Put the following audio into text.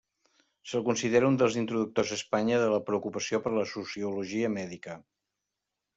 Se'l considera un dels introductors a Espanya de la preocupació per la sociologia mèdica.